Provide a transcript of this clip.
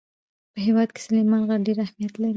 په هېواد کې سلیمان غر ډېر اهمیت لري.